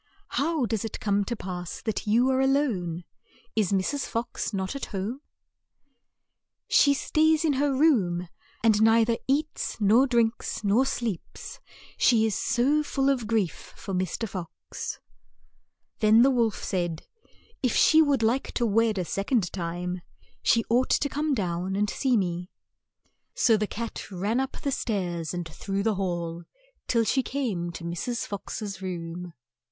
"How does it come to pass that you are a lone? Is Mrs. Fox not at home?" good old lady," said the princess, "what are : THE WEDDING OF MRS. FOX 95 "She stays in her room, and nei ther eats, nor drinks, nor sleeps, she is so full of grief for Mr. Fox. Then the wolf said, "If she would like to wed a sec ond time, she ought to come down and see me. So the cat ran up the stairs and through the hall till she came to Mrs. Fox's room.